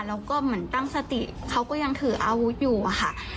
แล้วก็เหมือนตั้งสติเขาก็ยังถืออาวุธอยู่อะค่ะ